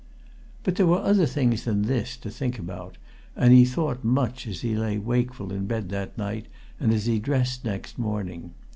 But there were other things than this to think about, and he thought much as he lay wakeful in bed that night and as he dressed next morning.